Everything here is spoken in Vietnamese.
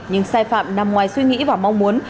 nhưng sai phạm nằm ngoài suy nghĩ và mong muốn